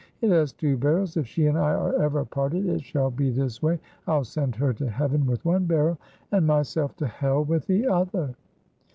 it has two barrels; if she and I are ever parted it shall be this way I'll send her to heaven with one barrel, and myself to hell with the other."